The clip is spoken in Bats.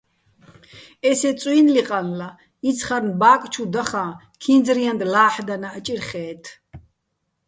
ესე წუ́ჲნლი ყანლა, იცხარნ ბა́კ ჩუ დახაჼ, ქინძ-რიანდ ლა́ჰ̦დანაჸ ჭირხე́თ.